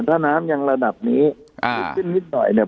ถ้าน้ำยังระดับนี้ขึ้นนิดหน่อยเนี่ย